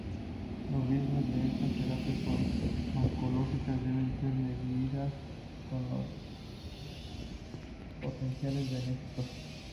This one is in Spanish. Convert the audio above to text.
Los riesgos de estas terapias farmacológicas deben ser medidas con los potenciales beneficios.